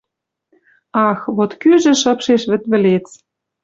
Ах, вот кӱжӹ шыпшеш вӹд вӹлец.